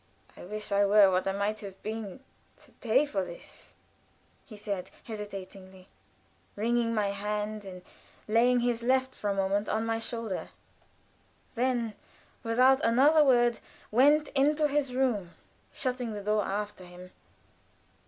"I wish I were what I might have been to pay you for this," he said, hesitatingly, wringing my hand and laying his left for a moment on my shoulder; then, without another word, went into his room, shutting the door after him.